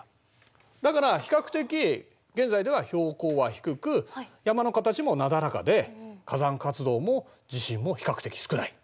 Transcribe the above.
だから比較的現在では標高は低く山の形もなだらかで火山活動も地震も比較的少ない。